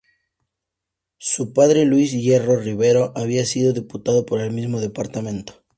Su padre Luis Hierro Rivero había sido diputado por el mismo departamento.